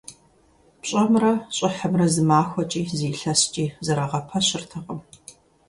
ПщӀэмрэ щӀыхьымрэ зы махуэкӀи, зы илъэскӀи зэрагъэпэщыртэкъым.